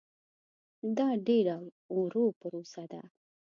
دا ډېره ورو پروسه ده.